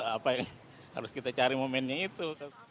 apa yang harus kita cari momennya itu